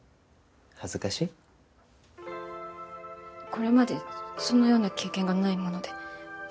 これまでそのような経験がないもので。